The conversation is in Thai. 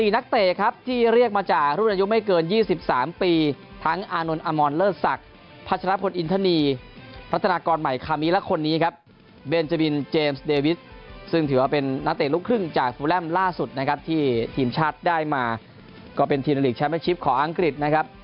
นักเตะครับที่เรียกมาจากรุ่นอายุไม่เกิน๒๓ปีทั้งอานนท์อมรเลิศศักดิ์พัชรพลอินทนีพัฒนากรใหม่คามิและคนนี้ครับเบนเจบินเจมส์เดวิสซึ่งถือว่าเป็นนักเตะลูกครึ่งจากฟูแลมล่าสุดนะครับที่ทีมชาติได้มาก็เป็นทีมลีกแมชชิปของอังกฤษนะครับ